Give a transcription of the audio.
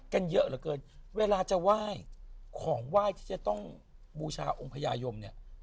เยอะเหลือเกินเวลาจะไหว้ของไหว้ที่จะต้องบูชาองค์พญายมเนี่ย